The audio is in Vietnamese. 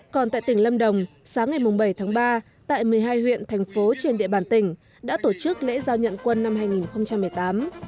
còn tại tỉnh lâm đồng sáng ngày bảy tháng ba tại một mươi hai huyện thành phố trên địa bàn tỉnh đã tổ chức lễ giao nhận quân năm hai nghìn một mươi tám